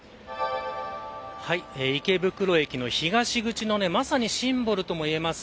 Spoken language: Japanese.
池袋駅の東口のシンボルとも言えます